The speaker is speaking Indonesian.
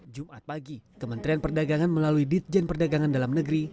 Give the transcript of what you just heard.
jumat pagi kementerian perdagangan melalui ditjen perdagangan dalam negeri